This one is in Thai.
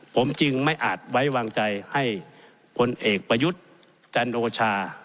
ผมจึงไม่อาจไว้วางใจให้พลเอกประยุทธ์จันโอชา